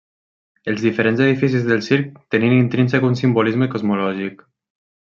Els diferents edificis del circ tenien intrínsec un simbolisme cosmològic.